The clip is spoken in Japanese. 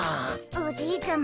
おじいちゃま。